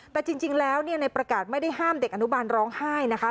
แต่จริงแล้วในประกาศไม่ได้ห้ามเด็กอนุบาลร้องไห้นะคะ